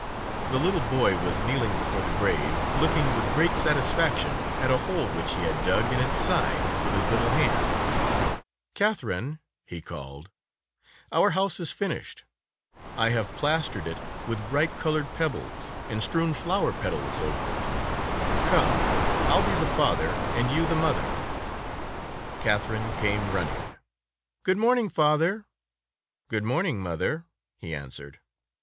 The little boy 94 Tales of Modern Germany was kneeling before the grave, looking with great satisfaction at a hole which he had dug in its side with his little hands. Katherine,'' he called, ''our house is finished. I have plastered it with bright colored pebbles, and strewn flower petals over it. Come, I'll be the father, and you the mother." Katherine came running. "Good morn ing, father." "Good morning, mother," he answered.